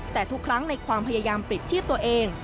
แต่ทุกครั้งในความพยายามปลิดชีพตัวเอง